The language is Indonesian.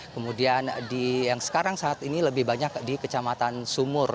kemudian yang sekarang saat ini lebih banyak di kecamatan sumur